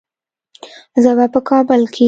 زه په کابل کې یم.